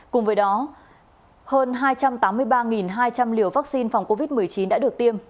cùng với đó hơn hai trăm tám mươi ba hai trăm linh liều vaccine phòng covid một mươi chín đã được tiêm